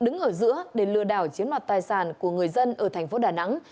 giữa để lừa đào chiếm đoạt tài sản của người dân ở tp đà nẵng